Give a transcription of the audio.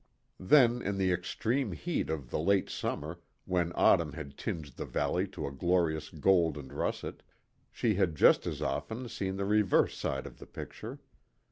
Then, in the extreme heat of the late summer, when autumn had tinged the valley to a glorious gold and russet, she had just as often seen the reverse side of the picture.